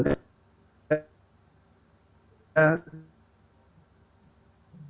tak ada lagi